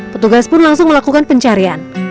petugas pun langsung melakukan pencarian